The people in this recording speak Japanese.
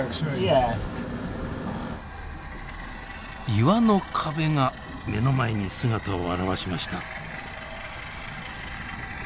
岩の壁が目の前に姿を現しました。